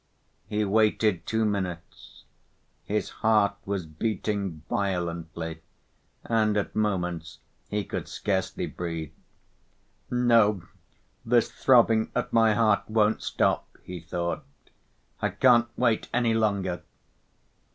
He waited two minutes. His heart was beating violently, and, at moments, he could scarcely breathe. "No, this throbbing at my heart won't stop," he thought. "I can't wait any longer."